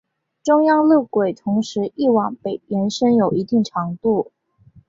中央路轨同时亦往北延伸有一定长度。